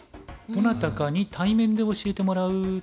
どなたかに対面で教えてもらう。